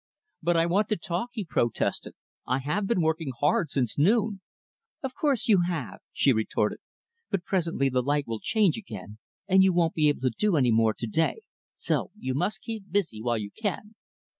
"But I want to talk," he protested. "I have been working hard since noon." "Of course you have," she retorted. "But presently the light will change again, and you won't be able to do any more to day; so you must keep busy while you can."